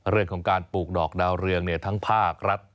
เรื่องของการปลูกดอกดาวเรืองทั้งภาครัฐ